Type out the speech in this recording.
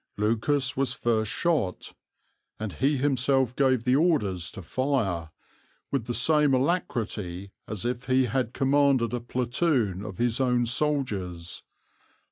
"Lucas was first shot, and he himself gave the orders to fire, with the same alacrity as if he had commanded a platoon of his own soldiers.